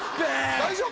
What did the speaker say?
大丈夫？